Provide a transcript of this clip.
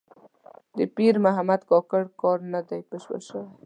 د پیر محمد کاکړ کار نه دی بشپړ شوی.